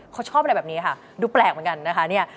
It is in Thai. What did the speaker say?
เขาชอบอะไรแบบนี้ค่ะดูแปลกเหมือนกันนะคะเนี่ย